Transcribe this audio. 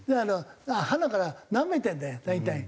はなからなめてんだよ大体。